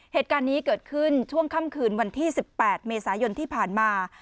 เหตุการณ์นี้เกิดขึ้นช่วงค่ำคืนวันที่๑๘เมษายนที่ผ่านมา